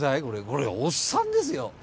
これおっさんですよ